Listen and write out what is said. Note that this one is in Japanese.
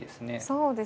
そうですね。